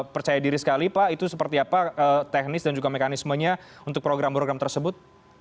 percaya diri sekali pak itu seperti apa teknis dan juga mekanismenya untuk program program tersebut